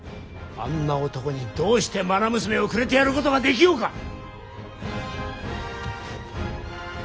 あんな男にどうしてまな娘をくれてやることができようか。